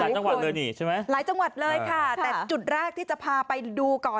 มีหลายจังหวัดเลยนี่ใช่ไหม